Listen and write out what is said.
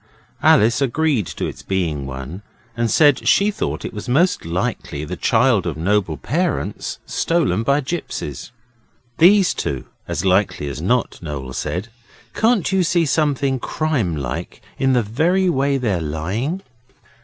Alice agreed to its being one, and said she thought it was most likely the child of noble parents stolen by gipsies. 'These two, as likely as not,' Noel said. 'Can't you see something crime like in the very way they're lying?